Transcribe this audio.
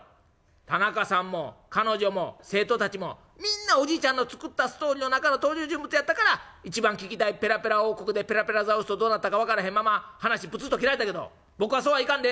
田中さんも彼女も生徒たちもみんなおじいちゃんの作ったストーリーの中の登場人物やったから一番聞きたいペラペラ王国でペラペラザウルスとどうなったか分からへんまま話プツッと切られたけど僕はそうはいかんで。